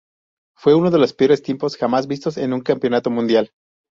Fue uno de los peores tiempos jamás vistos en un campeonato mundial.